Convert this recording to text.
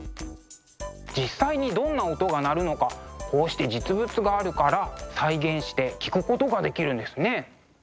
実際にどんな音が鳴るのかこうして実物があるから再現して聴くことができるんですね。